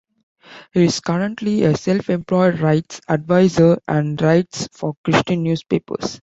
He is currently a self-employed rights adviser and writes for Christian newspapers.